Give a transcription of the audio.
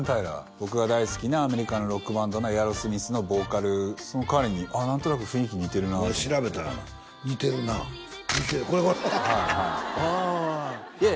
僕が大好きなアメリカのロックバンドのエアロスミスのボーカルその彼にああ何となく雰囲気似てるなと思って調べたがな似てるな似てるこれこれはいはいいや